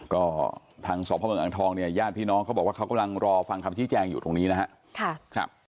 ก็ทางสพเมืองอ่างทองเนี่ยญาติพี่น้องเขาบอกว่าเขากำลังรอฟังคำชี้แจงอยู่ตรงนี้นะครับ